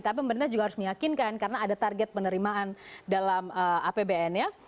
tapi pemerintah juga harus meyakinkan karena ada target penerimaan dalam apbn ya